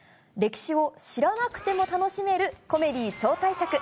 歴史を知らなくても楽しめるコメディー超大作。